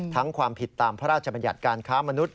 ความผิดตามพระราชบัญญัติการค้ามนุษย